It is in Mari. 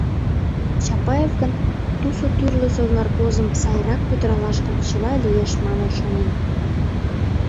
Чапаев гын, «тусо тӱрлӧ совнаркозым» сайрак пӱтыралаш гын, чыла лиеш, манын шонен.